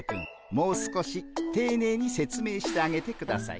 もう少していねいに説明してあげてください。